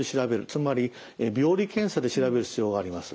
つまり病理検査で調べる必要があります。